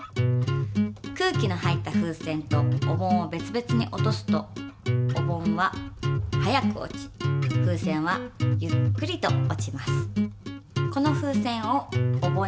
空気の入った風船とお盆を別々に落とすとお盆は早く落ち風船はゆっくりと落ちます。